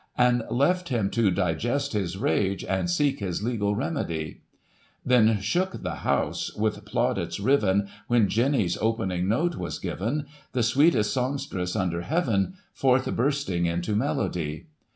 And left him to digest his rage. And seek his legal remedy. Then shook the House, with plaudits riven. When Jenny's opening note was given. The sweetest songstress under heaven Forth bursting into melody.